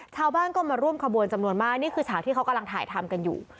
ชาวบ้านก็มาร่วมขบวนจำนวนมากนี่คือฉากที่เขากำลังถ่ายทำกันอยู่